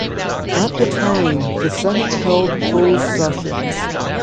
At the time, the Senate held closed sessions.